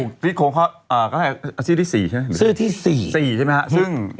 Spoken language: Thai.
กระดูกที่โค้งเขาเอาที่ที่๔ใช่ไหม